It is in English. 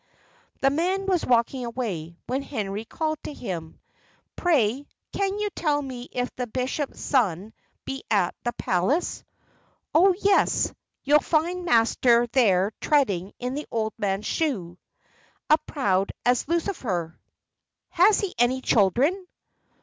The man was walking away, when Henry called to him "Pray can you tell me if the bishop's son be at the palace?" "Oh, yes! you'll find master there treading in the old man's shoes, as proud as Lucifer." "Has he any children?"